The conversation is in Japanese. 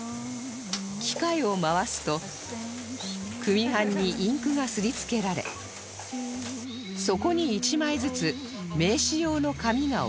機械を回すと組版にインクがすりつけられそこに１枚ずつ名刺用の紙が送られます